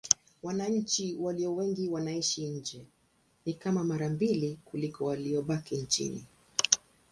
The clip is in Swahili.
Wananchi walio wengi wanaishi nje: ni kama mara mbili kuliko waliobaki nchini.